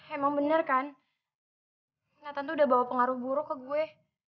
emang bener kan nah tentu udah bawa pengaruh buruk ke gue